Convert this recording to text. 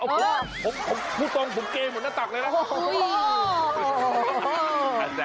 โอ้โฮผมพูดตรงผมเกมหมดหน้าตากเลยล่ะ